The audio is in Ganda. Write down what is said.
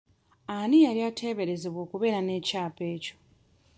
Ani yali ateeberezebwa okubeera n'ekyapa ekyo?